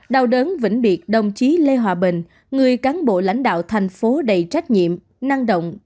đào đớn vĩnh biệt đồng chí lê hòa bình người cán bộ lãnh đạo thành phố đầy trách nhiệm năng động